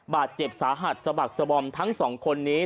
บาดเจ็บสาหัสสะบักสบอมทั้งสองคนนี้